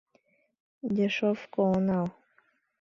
— Дешевко онал.